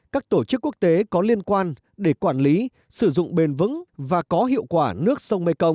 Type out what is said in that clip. các tổ chức quốc tế có liên quan để quản lý sử dụng bền vững và có hiệu quả nước sông mekong